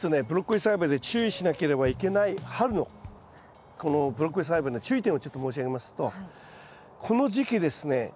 ブロッコリー栽培で注意しなければいけない春のこのブロッコリー栽培の注意点をちょっと申し上げますとこの時期ですね